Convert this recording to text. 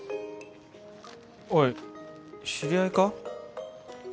おい知り合いか？